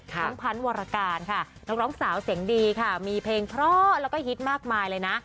ทั้งพันธ์วรการค่ะนักร้องสาวเสียงดีค่ะมีเพลงเพราะแล้วก็ฮิตมากมายเลยนะ